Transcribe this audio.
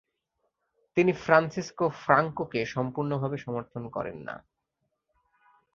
তিনি ফ্রান্সিসকো ফ্রাঙ্কোকে সম্পূর্ণভাবে সমর্থন করেন না।